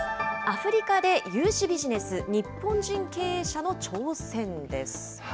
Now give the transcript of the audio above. アフリカで融資ビジネス、日本人経営者の挑戦です。